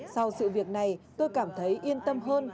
sau sự việc này tôi cảm thấy yên tâm hơn